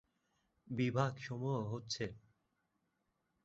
বিভাগসমূহ হচ্ছেঃ